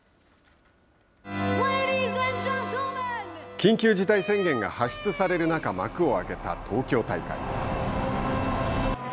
緊急事態宣言が発出される中幕を開けた、東京大会。